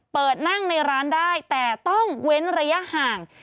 เปิดนั่งในร้านได้แต่ต้องเว้นระยะห่าง